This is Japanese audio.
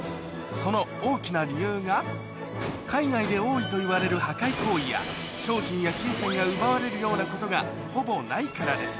その大きな理由が海外で多いといわれる破壊行為や商品や金銭が奪われるようなことがほぼないからです